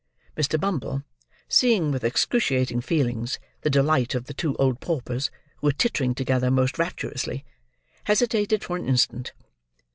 Mr. Bumble, seeing with excruciating feelings, the delight of the two old paupers, who were tittering together most rapturously, hesitated for an instant.